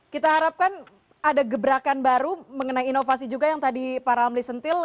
kita harapkan ada gebrakan baru mengenai inovasi juga yang tadi pak ramli sentil